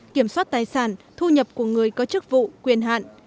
kiểm soát tài sản thu nhập của người có chức vụ quyền hạn